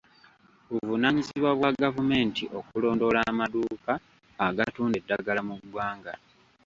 Buvunaanyizibwa bwa gavumenti okulondoola amaduuka agatunda eddagala mu ggwanga.